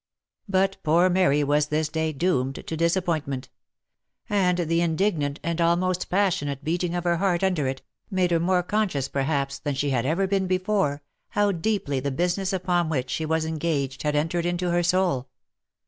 But poor Mary was this day doomed to disappointment ; and the indignant, and almost passionate beating of her heart under it, made her more conscious, perhaps, than she had ever been before, how deeply the business upon which she was engaged had entered into her soul.